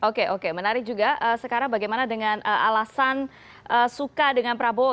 oke oke menarik juga sekarang bagaimana dengan alasan suka dengan prabowo